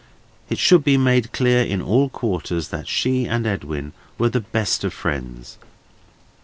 It should be made clear in all quarters that she and Edwin were the best of friends.